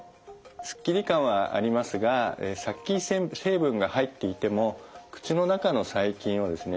すっきり感はありますが殺菌成分が入っていても口の中の細菌をですね